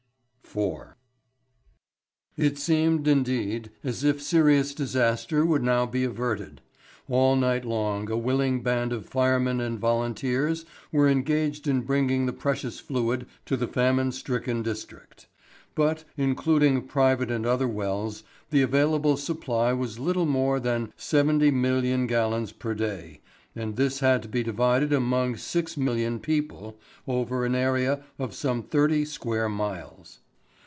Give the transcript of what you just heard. IV. It seemed indeed as if serious disaster would now be averted. All night long a willing band of firemen and volunteers were engaged in bringing the precious fluid to the famine stricken district. But, including private and other wells, the available supply was little more than 70,000,000 gallons per day and this had to be divided amongst 6,000,000 people over an area of some thirty square miles.